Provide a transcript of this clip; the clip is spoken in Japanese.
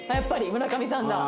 村上さんだ。